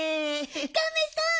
ガメさん